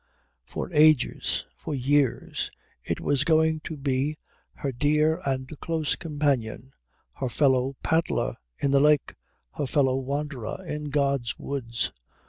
For ages, for years, it was going to be her dear and close companion, her fellow paddler in the lake, her fellow wanderer in God's woods.